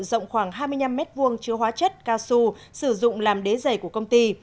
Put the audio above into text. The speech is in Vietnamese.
rộng khoảng hai mươi năm m hai chứa hóa chất cao su sử dụng làm đế dày của công ty